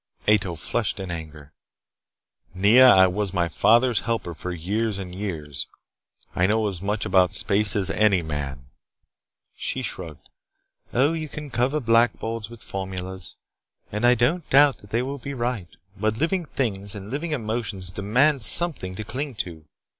Ato flushed in anger. "Nea, I was my father's helper for years and years. I know as much about space as any man." She shrugged. "Oh, you can cover blackboards with formulas, and I don't doubt that they will be right. But living things and living emotions demand something to cling to.